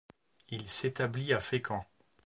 Il s'établit à Fécamp.